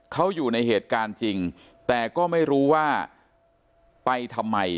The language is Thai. เขาอยู่ในเหตุการณ์จริงแต่ก็ไม่รู้ว่าไปทำไม